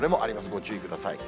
ご注意ください。